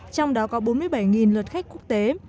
trong đó có bốn mươi bảy lượt khách quốc tế